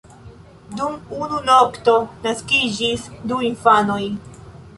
Dum unu nokto naskiĝis du infanoj.